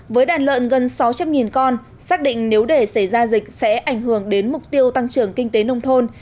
với đàn lợn gần sáu trăm linh con xác định nếu để xảy ra dịch sẽ ảnh hưởng đến mục tiêu tăng trưởng kinh tế nông thôn